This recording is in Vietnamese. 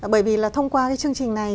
bởi vì là thông qua cái chương trình này